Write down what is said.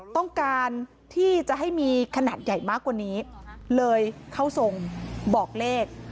ต้องการที่จะให้มีขนาดใหญ่มากกว่านี้เลยเข้าทรงบอกเลข